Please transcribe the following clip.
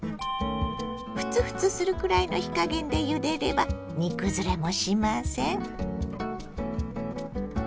ふつふつするくらいの火加減でゆでれば煮崩れもしません。